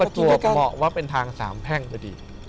จวบเหมาะว่าเป็นทางสามแพ่งพอดี